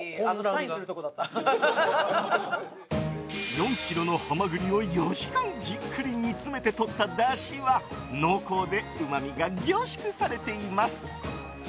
４ｋｇのハマグリを４時間じっくり煮詰めてとっただしは濃厚でうまみが凝縮されています。